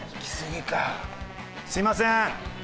すいません。